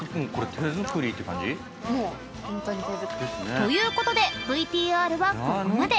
［ということでＶＴＲはここまで］